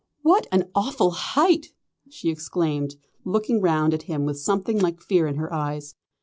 "What an awful height!" she exclaimed, looking round at him with something like fear in her eyes.